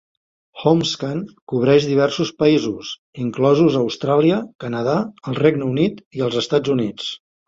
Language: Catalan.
Homescan cobreix diversos països, inclosos Austràlia, Canadà, el Regne Unit i els Estats Units.